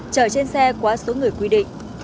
chở trên xe quá số người quy định